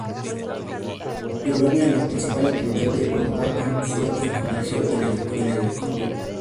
Durante la colonia la principal actividad de Uruapan fue el comercio y la agricultura.